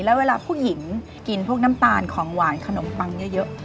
แล้วเวลาผู้หญิงกินพวกน้ำตาลของหวานขนมปังเยอะ